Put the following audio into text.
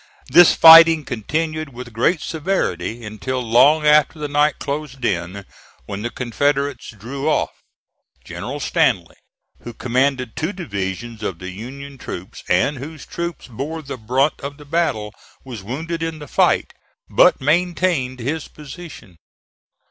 This fighting continued with great severity until long after the night closed in, when the Confederates drew off. General Stanley, who commanded two divisions of the Union troops, and whose troops bore the brunt of the battle, was wounded in the fight, but maintained his position.